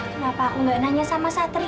kenapa aku gak nanya sama satria